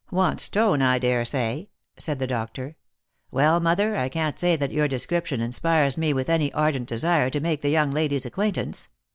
" Wants tone, I daresay," said the doctor. " Well, mother, I can't say that your description inspires me with any ardent desire to make the young lady's acquaintance.